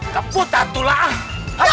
kebutat tuh lah